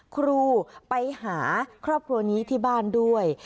ครูไปหาครอบครัวนี้ที่บ้านด้วย